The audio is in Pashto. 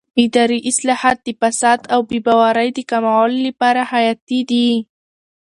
اداري اصلاحات د فساد او بې باورۍ د کمولو لپاره حیاتي دي